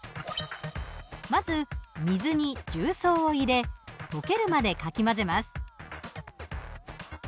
まず水に重曹を入れ溶けるまでかき混ぜます。